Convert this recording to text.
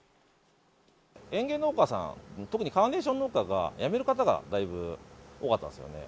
園芸農家さん、特にカーネーション農家が、やめる方がだいぶ多かったんですよね。